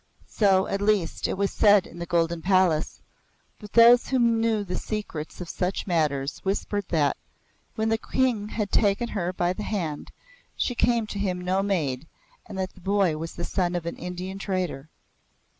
So, at least, it was said in the Golden Palace, but those who knew the secrets of such matters whispered that, when the King had taken her by the hand she came to him no maid, and that the boy was the son of an Indian trader.